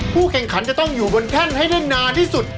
แข่งขันจะต้องอยู่บนแท่นให้ได้นานที่สุด